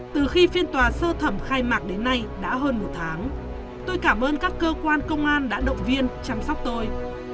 từ khi phiên tòa sơ thẩm khai mạc đến nay đã hơn một tháng tôi cảm ơn các cơ quan công an đã động viên chăm sóc tôi